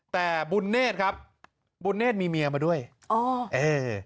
แต่บุญเนธครับบุญเนธมีเมียมาด้วยอ๋อเออ